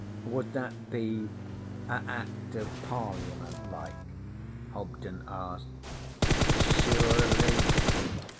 'Would that be a Act of Parliament like?' Hobden asked. 'Sure ly.